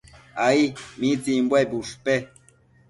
Ai. ¿mitsimbuebi ushpe?